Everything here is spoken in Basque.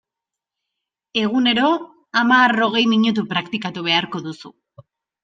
Egunero hamar-hogei minutu praktikatu beharko duzu.